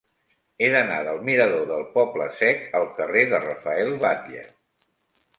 He d'anar del mirador del Poble Sec al carrer de Rafael Batlle.